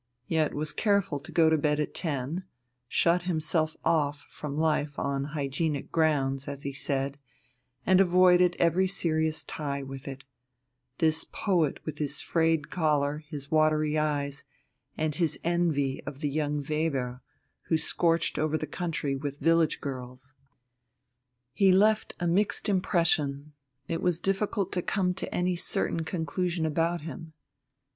yet was careful to go to bed at ten, shut himself off from life on hygienic grounds, as he said, and avoided every serious tie with it this poet with his frayed collar, his watery eyes, and his envy of the young Weber who scorched over the country with village girls: he left a mixed impression, it was difficult to come to any certain conclusion about him.